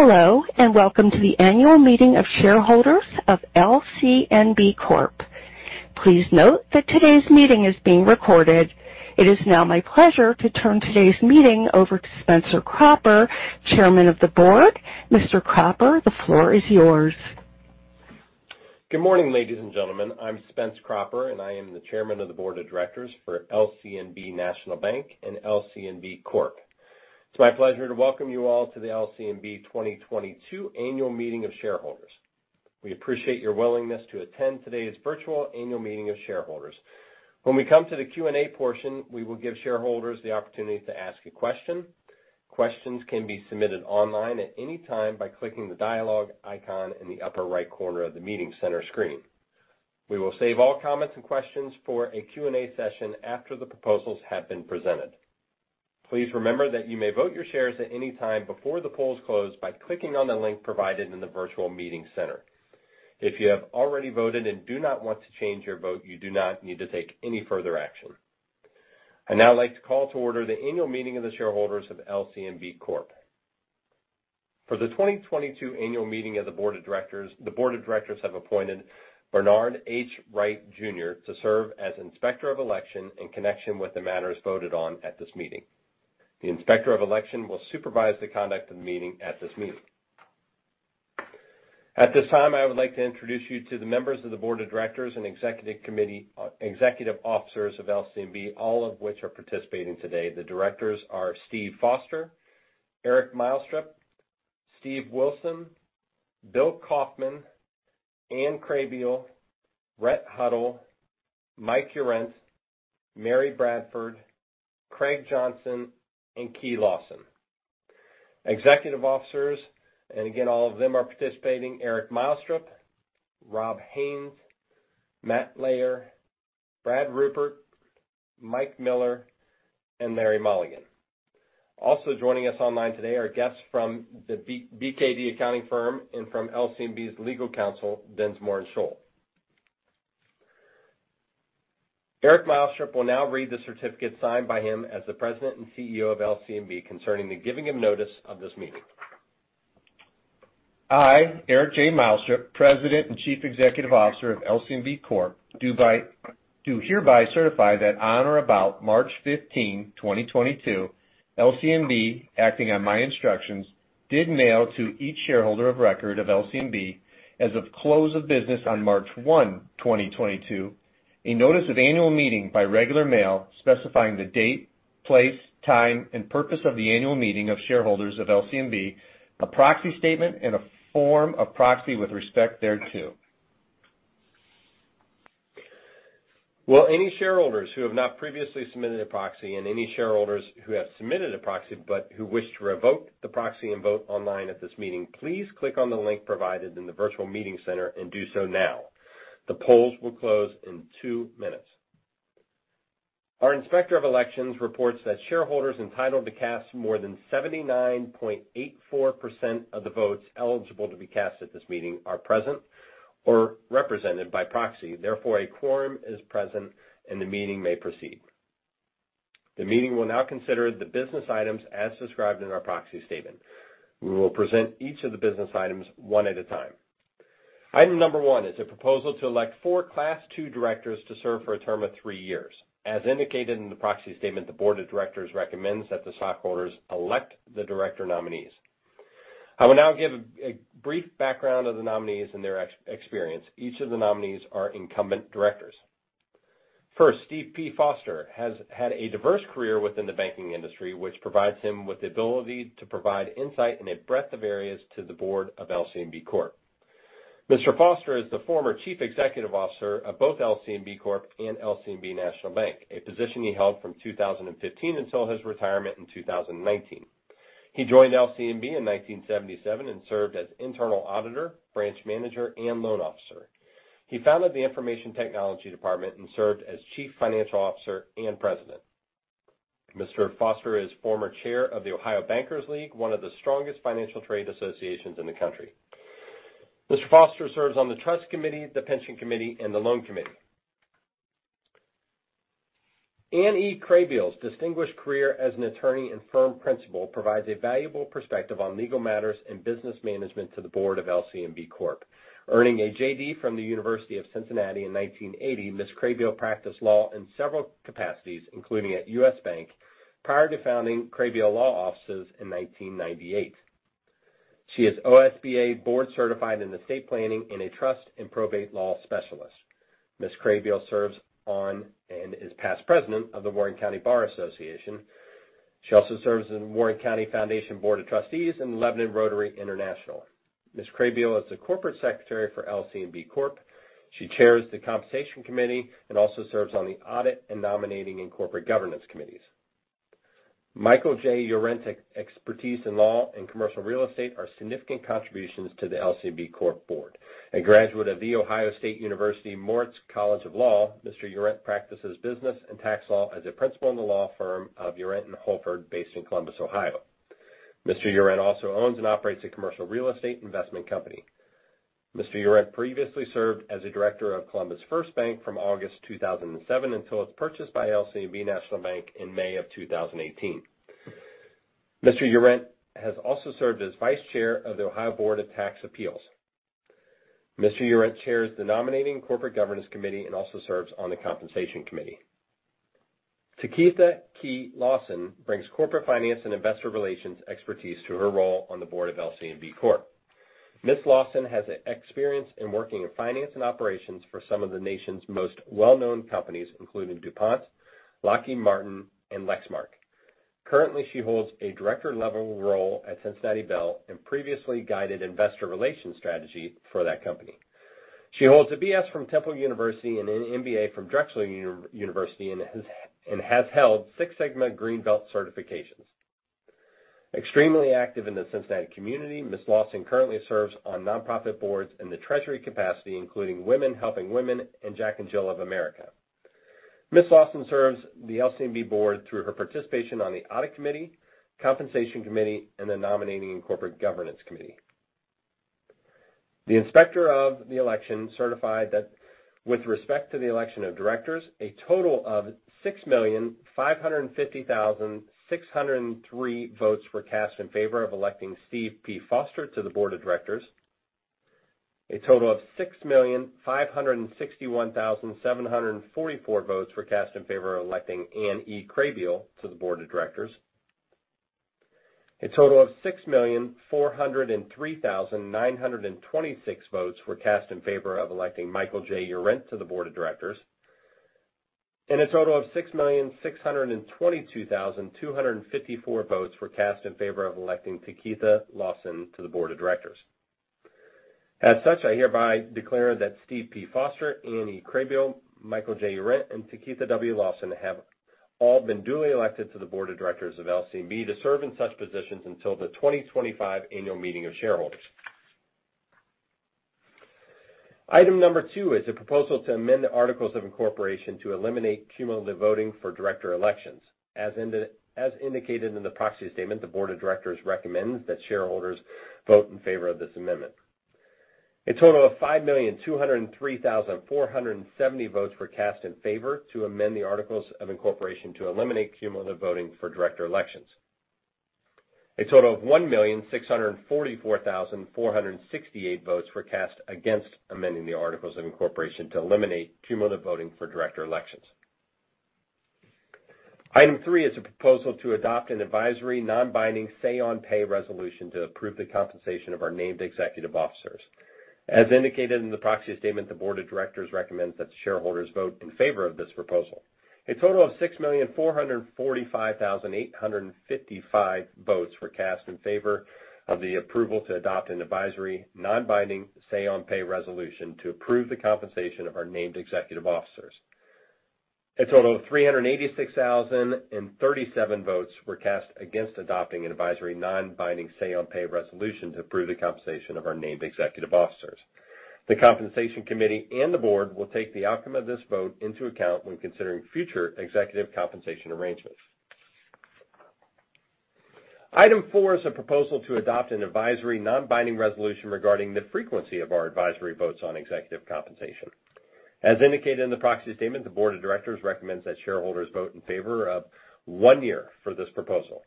Hello, and welcome to the annual meeting of shareholders of LCNB Corp. Please note that today's meeting is being recorded. It is now my pleasure to turn today's meeting over to Spencer Cropper, Chairman of the Board. Mr. Cropper, the floor is yours. Good morning, ladies and gentlemen. I'm Spencer Cropper, and I am the Chairman of the Board of Directors for LCNB National Bank and LCNB Corp. It's my pleasure to welcome you all to the LCNB 2022 Annual Meeting of Shareholders. We appreciate your willingness to attend today's virtual annual meeting of shareholders. When we come to the Q&A portion, we will give shareholders the opportunity to ask a question. Questions can be submitted online at any time by clicking the dialogue icon in the upper right corner of the meeting center screen. We will save all comments and questions for a Q&A session after the proposals have been presented. Please remember that you may vote your shares at any time before the polls close by clicking on the link provided in the virtual meeting center. If you have already voted and do not want to change your vote, you do not need to take any further action. I'd now like to call to order the annual meeting of the shareholders of LCNB Corp. For the 2022 annual meeting of the board of directors, the board of directors have appointed Bernard H. Wright Jr. to serve as Inspector of Election in connection with the matters voted on at this meeting. The Inspector of Election will supervise the conduct of the meeting at this meeting. At this time, I would like to introduce you to the members of the board of directors and executive committee, executive officers of LCNB, all of which are participating today. The directors are Steve Foster, Eric Meilstrup, Steve Wilson, Bill Kaufman, Anne Krehbiel, Rhett Huddle, Mike Johrendt, Mary Bradford, Craig Johnson, and Keith Lawson. Executive officers, and again, all of them are participating, Eric Meilstrup, Rob Haynes, Matt Layer, Brad Ruppert, Mike Miller, and Mary Mulligan. Also joining us online today are guests from the BKD accounting firm and from LCNB's legal counsel, Dinsmore & Shohl. Eric Meilstrup will now read the certificate signed by him as the President and Chief Executive Officer of LCNB concerning the giving of notice of this meeting. I, Eric J. Meilstrup, President and Chief Executive Officer of LCNB Corp., do hereby certify that on or about March 15, 2022, LCNB, acting on my instructions, did mail to each shareholder of record of LCNB, as of close of business on March 1, 2022, a notice of annual meeting by regular mail specifying the date, place, time, and purpose of the annual meeting of shareholders of LCNB, a proxy statement and a form of proxy with respect thereto. Will any shareholders who have not previously submitted a proxy and any shareholders who have submitted a proxy but who wish to revoke the proxy and vote online at this meeting, please click on the link provided in the virtual meeting center and do so now. The polls will close in two minutes. Our Inspector of Elections reports that shareholders entitled to cast more than 79.84% of the votes eligible to be cast at this meeting are present or represented by proxy. Therefore, a quorum is present and the meeting may proceed. The meeting will now consider the business items as described in our proxy statement. We will present each of the business items one at a time. Item number one is a proposal to elect four Class Two directors to serve for a term of three years. As indicated in the proxy statement, the board of directors recommends that the stockholders elect the director nominees. I will now give a brief background of the nominees and their experience. Each of the nominees are incumbent directors. First, Steve P. Foster has had a diverse career within the banking industry, which provides him with the ability to provide insight in a breadth of areas to the board of LCNB Corp. Mr. Foster is the former Chief Executive Officer of both LCNB Corp. and LCNB National Bank, a position he held from 2015 until his retirement in 2019. He joined LCNB in 1977 and served as internal auditor, branch manager, and loan officer. He founded the information technology department and served as Chief Financial Officer and President. Mr. Foster is former chair of the Ohio Bankers League, one of the strongest financial trade associations in the country. Mr. Foster serves on the trust committee, the pension committee, and the loan committee. Anne E. Krehbiel's distinguished career as an attorney and firm principal provides a valuable perspective on legal matters and business management to the board of LCNB Corp. Earning a JD from the University of Cincinnati in 1980, Ms. Krehbiel practiced law in several capacities, including at U.S. Bank, prior to founding Krehbiel Law Office in 1998. She is OSBA board certified in estate planning and a trust and probate law specialist. Ms. Krehbiel serves on and is past president of the Warren County Bar Association. She also serves on Warren County Foundation Board of Trustees and Rotary Club of Lebanon. Ms. Krehbiel is the Corporate Secretary for LCNB Corp. She chairs the compensation committee and also serves on the audit and nominating and corporate governance committees. His expertise in law and commercial real estate are significant contributions to the LCNB Corp. board. A graduate of The Ohio State University Moritz College of Law, Mr. Johrendt practices business and tax law as a principal in the law firm of Johrendt & Holford based in Columbus, Ohio. Mr. Johrendt also owns and operates a commercial real estate investment company. Mr. Johrendt previously served as a director of Columbus First Bank from August 2007 until its purchase by LCNB National Bank in May 2018. Mr. Johrendt has also served as vice chair of the Ohio Board of Tax Appeals. Mr. Johrendt chairs the Nominating and Corporate Governance Committee and also serves on the Compensation Committee. Takeitha W. Lawson brings corporate finance and investor relations expertise to her role on the board of LCNB Corp. Ms. Lawson has experience in working in finance and operations for some of the nation's most well-known companies, including DuPont, Lockheed Martin, and Lexmark. Currently, she holds a director-level role at Cincinnati Bell and previously guided investor relations strategy for that company. She holds a BS from Temple University and an MBA from Drexel University and has held Six Sigma Green Belt certifications. Extremely active in the Cincinnati community, Ms. Lawson currently serves on nonprofit boards in the treasury capacity, including Women Helping Women and Jack and Jill of America. Ms. Lawson serves the LCNB board through her participation on the Audit Committee, Compensation Committee, and the Nominating and Corporate Governance Committee. The inspector of the election certified that with respect to the election of directors, a total of 6,550,603 votes were cast in favor of electing Steve P. Foster to the board of directors. A total of 6,561,744 votes were cast in favor of electing Anne E. Krehbiel to the board of directors. A total of 6,403,926 votes were cast in favor of electing Michael J. Johrendt to the board of directors. A total of 6,622,254 votes were cast in favor of electing Takeitha W. Lawson to the board of directors. As such, I hereby declare that Steve P. Foster, Anne E. Krehbiel, Michael J. Johrendt, and Takeitha W. Lawson. Lawson have all been duly elected to the board of directors of LCNB to serve in such positions until the 2025 annual meeting of shareholders. Item two is a proposal to amend the articles of incorporation to eliminate cumulative voting for director elections. As indicated in the proxy statement, the board of directors recommends that shareholders vote in favor of this amendment. A total of 5,203,470 votes were cast in favor to amend the articles of incorporation to eliminate cumulative voting for director elections. A total of 1,644,468 votes were cast against amending the articles of incorporation to eliminate cumulative voting for director elections. Item three is a proposal to adopt an advisory, non-binding say-on-pay resolution to approve the compensation of our named executive officers. As indicated in the proxy statement, the board of directors recommends that shareholders vote in favor of this proposal. A total of 6,445,855 votes were cast in favor of the approval to adopt an advisory, non-binding say-on-pay resolution to approve the compensation of our named executive officers. A total of 386,037 votes were cast against adopting an advisory, non-binding say-on-pay resolution to approve the compensation of our named executive officers. The Compensation Committee and the board will take the outcome of this vote into account when considering future executive compensation arrangements. Item 4 is a proposal to adopt an advisory, non-binding resolution regarding the frequency of our advisory votes on executive compensation. As indicated in the proxy statement, the board of directors recommends that shareholders vote in favor of one year for this proposal.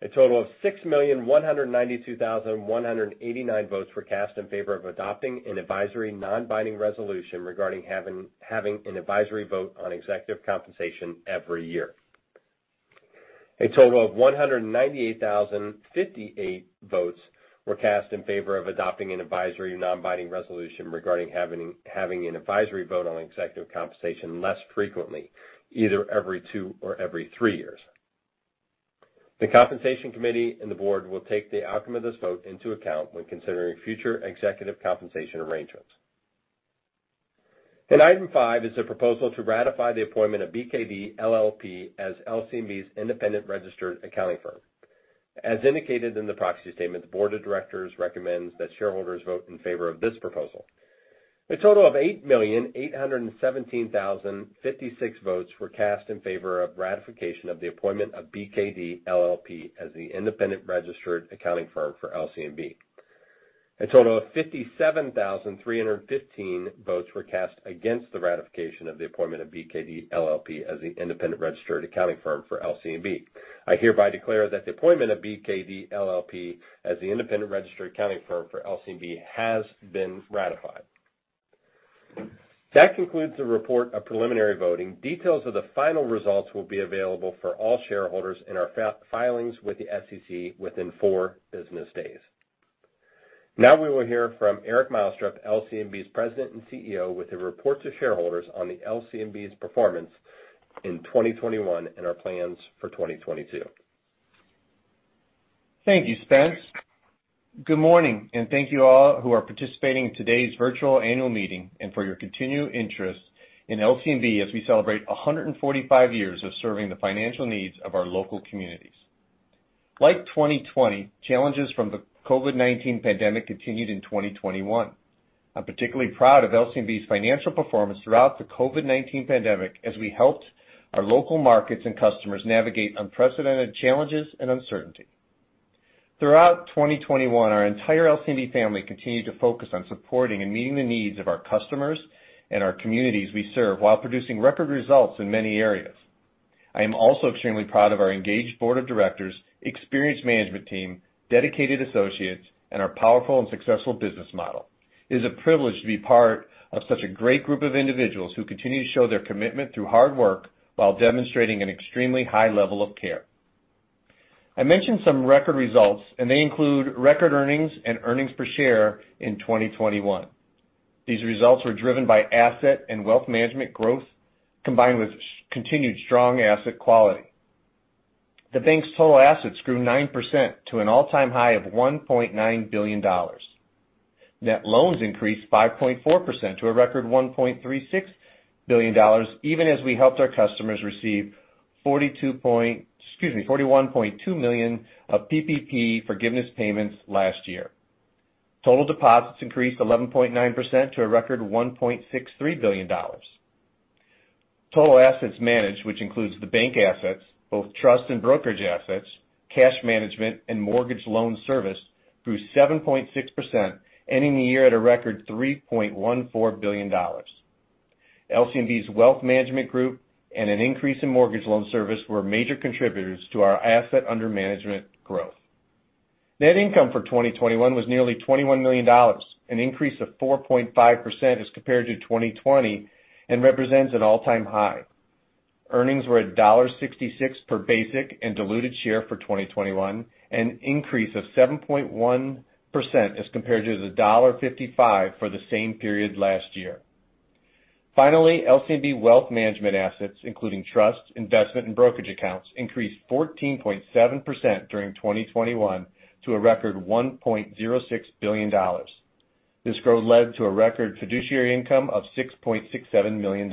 A total of 6,192,189 votes were cast in favor of adopting an advisory, non-binding resolution regarding having an advisory vote on executive compensation every year. A total of 198,058 votes were cast in favor of adopting an advisory, non-binding resolution regarding having an advisory vote on executive compensation less frequently, either every two or every three years. The Compensation Committee and the board will take the outcome of this vote into account when considering future executive compensation arrangements. Item five is a proposal to ratify the appointment of BKD LLP as LCNB's independent registered accounting firm. As indicated in the proxy statement, the board of directors recommends that shareholders vote in favor of this proposal. A total of 8,817,056 votes were cast in favor of ratification of the appointment of BKD, LLP as the independent registered accounting firm for LCNB. A total of 57,315 votes were cast against the ratification of the appointment of BKD, LLP as the independent registered accounting firm for LCNB. I hereby declare that the appointment of BKD, LLP as the independent registered accounting firm for LCNB has been ratified. That concludes the report of preliminary voting. Details of the final results will be available for all shareholders in our filings with the SEC within four business days. Now we will hear from Eric J. Meilstrup, LCNB's President and Chief Executive Officer, with the report to shareholders on the LCNB's performance in 2021 and our plans for 2022. Thank you, Spence. Good morning, and thank you all who are participating in today's virtual annual meeting and for your continued interest in LCNB as we celebrate 145 years of serving the financial needs of our local communities. Like 2020, challenges from the COVID-19 pandemic continued in 2021. I'm particularly proud of LCNB's financial performance throughout the COVID-19 pandemic as we helped our local markets and customers navigate unprecedented challenges and uncertainty. Throughout 2021, our entire LCNB family continued to focus on supporting and meeting the needs of our customers and our communities we serve while producing record results in many areas. I am also extremely proud of our engaged board of directors, experienced management team, dedicated associates, and our powerful and successful business model. It is a privilege to be part of such a great group of individuals who continue to show their commitment through hard work while demonstrating an extremely high level of care. I mentioned some record results, and they include record earnings and earnings per share in 2021. These results were driven by asset and wealth management growth, combined with continued strong asset quality. The bank's total assets grew 9% to an all-time high of $1.9 billion. Net loans increased 5.4% to a record $1.36 billion, even as we helped our customers receive $41.2 million of PPP forgiveness payments last year. Total deposits increased 11.9% to a record $1.63 billion. Total assets managed, which includes the bank assets, both trust and brokerage assets, cash management, and mortgage loan servicing, grew 7.6%, ending the year at a record $3.14 billion. LCNB's wealth management group and an increase in mortgage loan servicing were major contributors to our assets under management growth. Net income for 2021 was nearly $21 million, an increase of 4.5% as compared to 2020 and represents an all-time high. Earnings were at $1.66 per basic and diluted share for 2021, an increase of 7.1% as compared to the $1.55 for the same period last year. Finally, LCNB wealth management assets, including trust, investment, and brokerage accounts, increased 14.7% during 2021 to a record $1.06 billion. This growth led to a record fiduciary income of $6.67 million.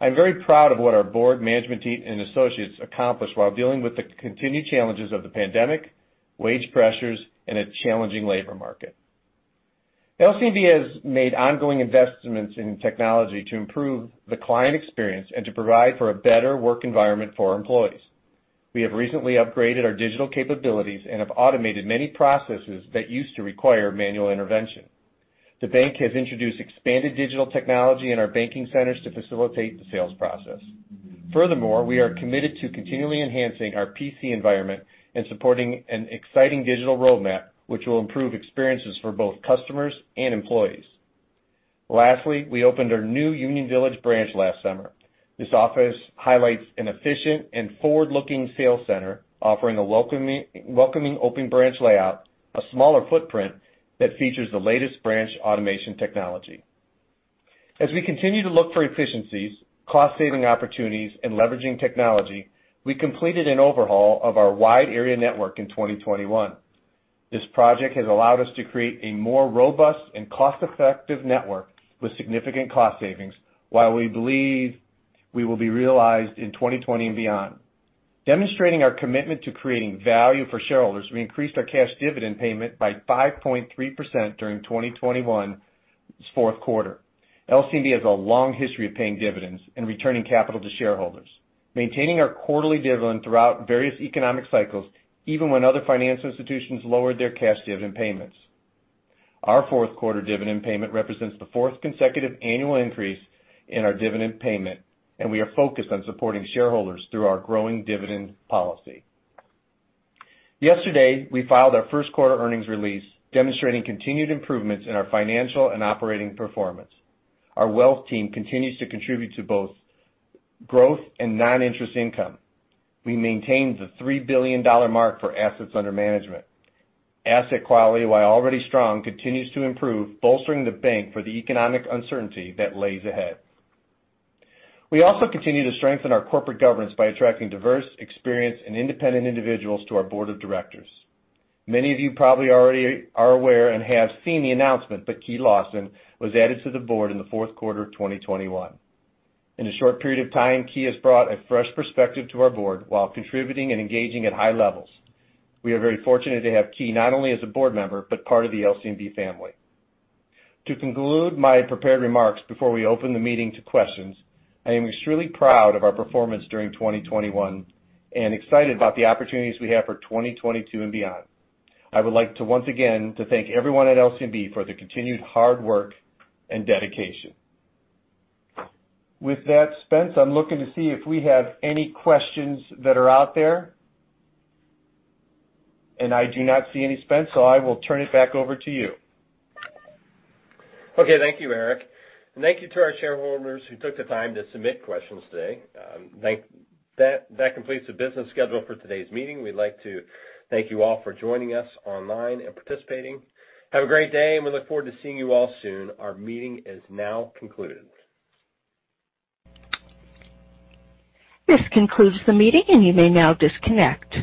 I'm very proud of what our board, management team, and associates accomplished while dealing with the continued challenges of the pandemic, wage pressures, and a challenging labor market. LCNB has made ongoing investments in technology to improve the client experience and to provide for a better work environment for our employees. We have recently upgraded our digital capabilities and have automated many processes that used to require manual intervention. The bank has introduced expanded digital technology in our banking centers to facilitate the sales process. Furthermore, we are committed to continually enhancing our PC environment and supporting an exciting digital roadmap which will improve experiences for both customers and employees. Lastly, we opened our new Union Village branch last summer. This office highlights an efficient and forward-looking sales center offering a welcoming open branch layout, a smaller footprint that features the latest branch automation technology. We continue to look for efficiencies, cost-saving opportunities, and leveraging technology. We completed an overhaul of our wide area network in 2021. This project has allowed us to create a more robust and cost-effective network with significant cost savings that we believe will be realized in 2020 and beyond. Demonstrating our commitment to creating value for shareholders, we increased our cash dividend payment by 5.3% during 2021's fourth quarter. LCNB has a long history of paying dividends and returning capital to shareholders, maintaining our quarterly dividend throughout various economic cycles, even when other financial institutions lowered their cash dividend payments. Our fourth quarter dividend payment represents the fourth consecutive annual increase in our dividend payment, and we are focused on supporting shareholders through our growing dividend policy. Yesterday, we filed our first quarter earnings release demonstrating continued improvements in our financial and operating performance. Our wealth team continues to contribute to both growth and non-interest income. We maintained the $3 billion mark for assets under management. Asset quality, while already strong, continues to improve, bolstering the bank for the economic uncertainty that lays ahead. We also continue to strengthen our corporate governance by attracting diverse, experienced, and independent individuals to our board of directors. Many of you probably already are aware and have seen the announcement that Takeitha W. Lawson was added to the board in the fourth quarter of 2021. In a short period of time, Key has brought a fresh perspective to our board while contributing and engaging at high levels. We are very fortunate to have Key not only as a board member, but part of the LCNB family. To conclude my prepared remarks before we open the meeting to questions, I am extremely proud of our performance during 2021 and excited about the opportunities we have for 2022 and beyond. I would like to once again to thank everyone at LCNB for their continued hard work and dedication. With that, Spence, I'm looking to see if we have any questions that are out there. I do not see any, Spence, so I will turn it back over to you. Okay. Thank you, Eric. Thank you to our shareholders who took the time to submit questions today. That completes the business schedule for today's meeting. We'd like to thank you all for joining us online and participating. Have a great day, and we look forward to seeing you all soon. Our meeting is now concluded. This concludes the meeting, and you may now disconnect.